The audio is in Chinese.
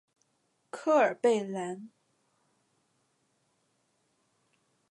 科尔贝兰。